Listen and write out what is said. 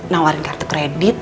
nawarin kartu kredit